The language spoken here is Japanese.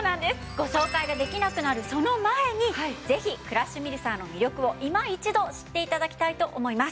ご紹介ができなくなるその前にぜひクラッシュミルサーの魅力をいま一度知って頂きたいと思います。